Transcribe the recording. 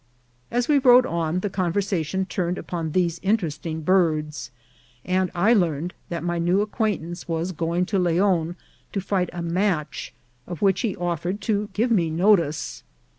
As we rode on the conversation turned upon these interest ing birds, and I learned that my new acquaintance was going to Leon to fight a match, of which he offered to give me notice.